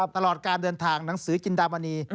ตลอดการเดินทางหนังสือจินดามณี